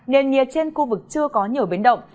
nền nhiệt trên khu vực chưa có nhiều biến động